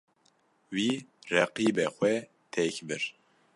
Wî, reqîbê xwe têk bir.